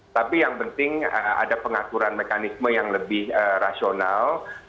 tapi yang penting ada pengaturan mekanisme yang lebih rasional